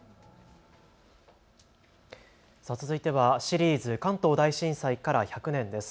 続いてはシリーズ関東大震災から１００年です。